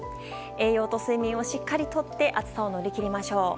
栄養と睡眠をしっかりとって暑さを乗り切りましょう。